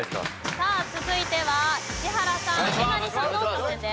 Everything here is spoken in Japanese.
さあ続いては石原さんえなりさんの挑戦です。